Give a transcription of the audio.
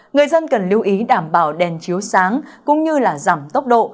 người dân cần lưu ý đảm bảo đèn chiếu sáng cũng như là giảm tốc độ